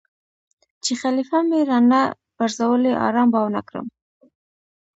چې خلیفه مې را نه پرزولی آرام به ونه کړم.